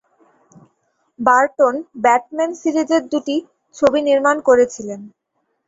Burton Batman সিরিজের দুটি ছবি নির্মাণ করেছিলেন।